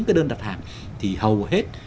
cái đơn đặt hàng thì hầu hết